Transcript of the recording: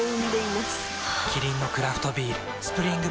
キリンのクラフトビール「スプリングバレー」